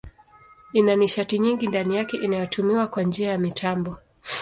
Ina nishati nyingi ndani yake inayotumiwa kwa njia ya mitambo.